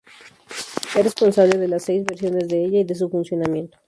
Es responsable de las seis versiones de ella y de su funcionamiento.